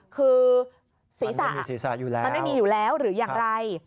คือมันไม่มีศีรษะอยู่แล้วหรืออย่างไร